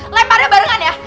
lempar nya barengan ya